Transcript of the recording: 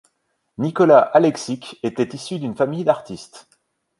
Nikola Aleksić était issu d'une famille d'artistes.